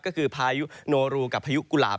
ก็คือพายุโนรูกับพายุกุหลาบ